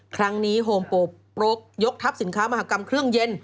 ครั้งนี้โฮมโปโปรกยกทัพสินค้ามหากรรมเครื่องเย็น